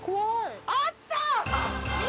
あった！